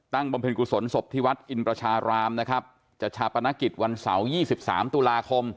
ตั้งบำเพ็ญกุศลศพที่วัดอินประชารามนะครับจัดชาปนกิจวันเสาร์ยี่สิบสามตุลาคม